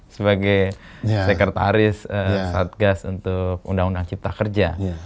sebagai sekretaris satgas untuk undang undang cipta kerja